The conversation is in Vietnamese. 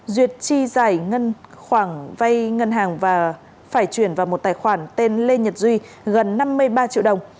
duyệt chi giải ngân khoản vay ngân hàng và phải chuyển vào một tài khoản tên lê nhật duy gần năm mươi ba triệu đồng